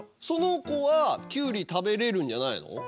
その子はきゅうり食べれるんじゃないの？